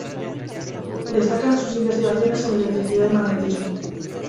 Destacan sus investigaciones en electricidad y magnetismo.